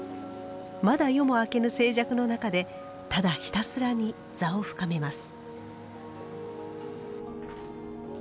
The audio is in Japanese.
まだ夜も明けぬ静寂の中でただひたすらに坐を深めます。